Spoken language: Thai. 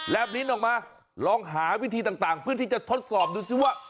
แล้วบินออกมาลองหาวิธีต่างเพื่อที่จะทดสอบดูซิว่า